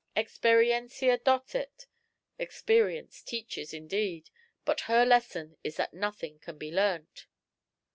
Experientia docet. Experience teaches, indeed; but her lesson is that nothing can be learnt.'"